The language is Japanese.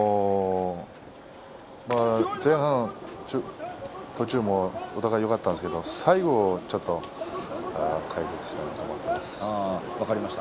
前半、途中もお互いよかったんですけれど最後ちょっと解説したいなと思っています。